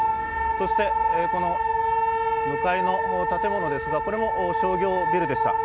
そしてこの向かいの建物ですが、これも商業ビルでした。